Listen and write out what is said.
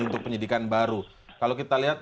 untuk penyidikan baru kalau kita lihat